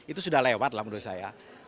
itu sudah lewat lah menurut saya